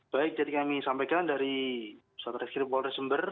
baik jadi kami sampaikan dari satu reskrim polres jember